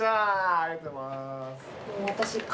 ありがとうございます。